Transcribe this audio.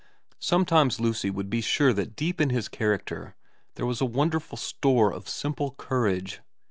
Sometimes Lucy would be sure that deep in his char acter there was a wonderful store of simple courage.